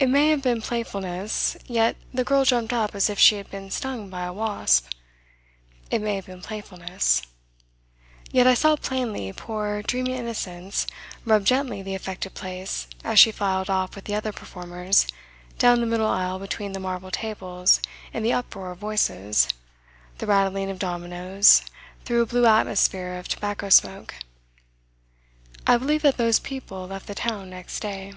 It may have been playfulness, yet the girl jumped up as if she had been stung by a wasp. It may have been playfulness. Yet I saw plainly poor "dreamy innocence" rub gently the affected place as she filed off with the other performers down the middle aisle between the marble tables in the uproar of voices, the rattling of dominoes through a blue atmosphere of tobacco smoke. I believe that those people left the town next day.